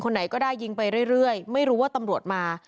ไหนก็ได้ยิงไปเรื่อยไม่รู้ว่าตำรวจมา